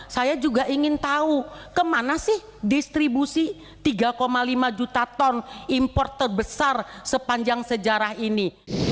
saya juga ingin tahu kemana sih distribusi tiga lima juta ton import terbesar sepanjang sejarah ini